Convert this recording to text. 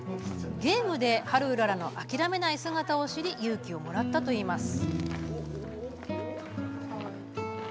ゲームでハルウララの諦めない姿を知り勇気をもらったといいます。